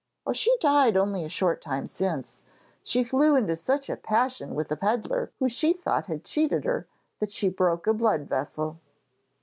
'Oh, she died only a short time since. She flew into such a passion with a pedlar who she thought had cheated her, that she broke a blood vessel.'